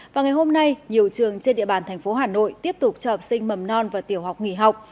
và ngày hôm nay nhiều trường trên địa bàn thành phố hà nội tiếp tục cho học sinh mầm non và tiểu học nghỉ học